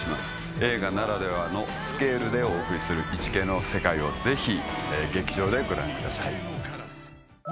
映画ならではのスケールでお送りする『イチケイ』の世界をぜひ劇場でご覧ください。